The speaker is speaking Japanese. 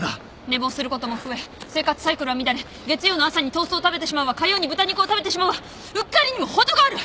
寝坊することも増え生活サイクルは乱れ月曜の朝にトーストを食べてしまうわ火曜に豚肉を食べてしまうわうっかりにも程がある！